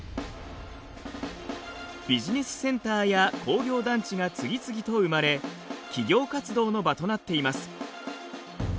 ビジネスセンターや工業団地が次々と生まれ企業活動の場となっています。